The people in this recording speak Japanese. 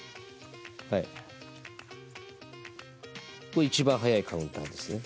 これ一番速いカウンターですね。